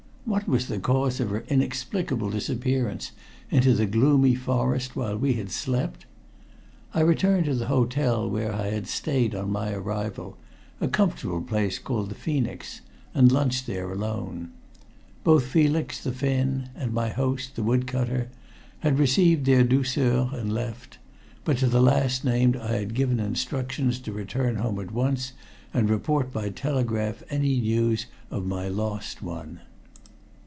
What was the cause of her inexplicable disappearance into the gloomy forest while we had slept? I returned to the hotel where I had stayed on my arrival, a comfortable place called the Phoenix, and lunched there alone. Both Felix, the Finn, and my host, the wood cutter, had received their douceurs and left, but to the last named I had given instructions to return home at once and report by telegraph any news of my lost one.